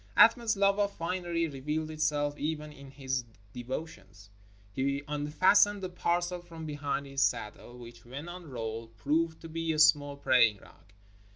Athman's love of finery revealed itself even in his de votions. He unfastened a parcel from behind his saddle which, when unrolled, proved to be a small praying rug.